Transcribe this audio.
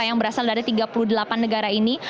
yang berasal dari tiga puluh delapan negara ini